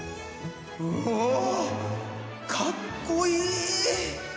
うおかっこいい。